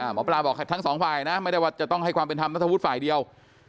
หมอปลาบอกทั้งสองฝ่ายนะไม่ได้ว่าจะต้องให้ความเป็นธรรมนัทวุฒิฝ่ายเดียว